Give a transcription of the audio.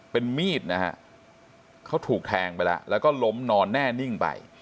เป็นมีดนะฮะเขาถูกแทงไปแล้วแล้วก็ล้มนอนแน่นิ่งไป